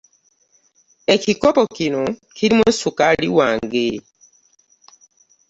Ekikopo kino kirimu ssukaali wange.